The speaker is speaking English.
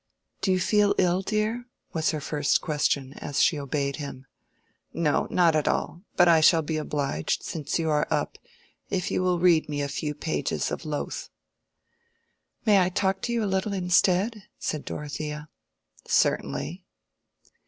"Do you feel ill, dear?" was her first question, as she obeyed him. "No, not at all; but I shall be obliged, since you are up, if you will read me a few pages of Lowth." "May I talk to you a little instead?" said Dorothea. "Certainly."